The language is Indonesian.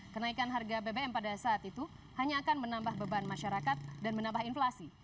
kenaikan harga bbm pada saat itu hanya akan menambah beban masyarakat dan menambah inflasi